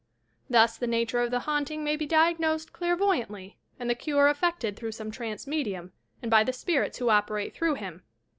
Thus the nature of the haunting may be diagnosed elairvoyantly, and the cure effected through some trance medium, and by the spirits who operate through him.